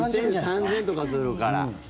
２０００円３０００円とかするから。